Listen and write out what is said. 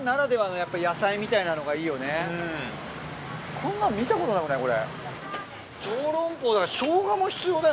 こんなん見たことないもんねこれ。